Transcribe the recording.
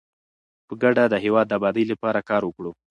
په ګډه د هیواد د ابادۍ لپاره کار وکړو.